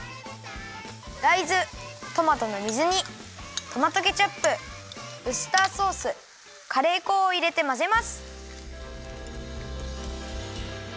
だいずトマトの水煮トマトケチャップウスターソースカレー粉をいれてまぜます。